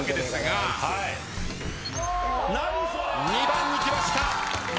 ２番にきました。